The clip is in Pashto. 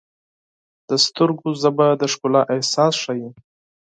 د سترګو ژبه د ښکلا احساس ښیي.